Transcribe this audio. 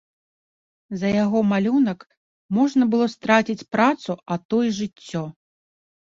За яго малюнак можна было страціць працу, а то і жыццё.